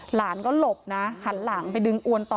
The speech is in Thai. หลานก็หลบนะหันหลังไปดึงอวนต่อ